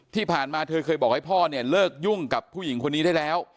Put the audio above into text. ที่ผ่านมาเธอเคยบอกให้พ่อเนี่ยเลิกยุ่งกับผู้หญิงคนนี้ได้แล้ว